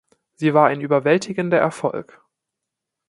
Sie war ein überwältigender Erfolg.